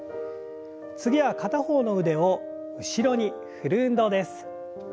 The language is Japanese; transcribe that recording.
次は片方の腕を後ろに振る運動です。